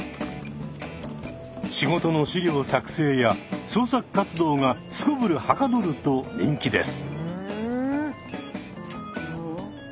仕事の資料作成や創作活動がすこぶるはかどると人気です。